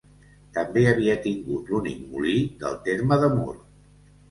També havia tingut l'únic molí del terme de Mur.